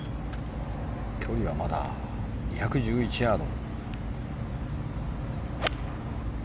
距離はまだ２１１ヤード。